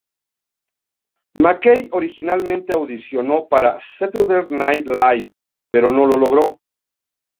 McKay originalmente audicionó para "Saturday Night Live", pero no lo logró.